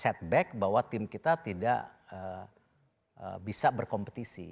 karena itu ada setback bahwa tim kita tidak bisa berkompetisi